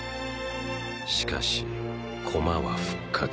しかしコマは復活する。